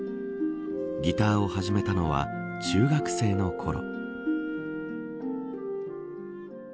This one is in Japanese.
ギターを始めたのは中学生のころ。